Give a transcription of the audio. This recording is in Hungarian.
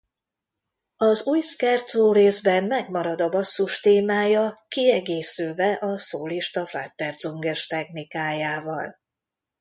Az új scherzo-részben megmarad a basszus témája kiegészülve a szólista Flatterzunge-s technikájával.